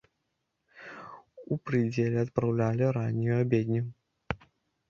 У прыдзеле адпраўлялі раннюю абедню.